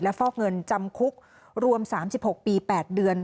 ฟอกเงินจำคุกรวม๓๖ปี๘เดือน